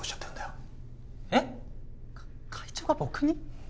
かっ会長が僕に？